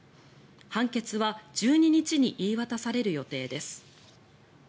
判決は１２日に言い渡される予定です。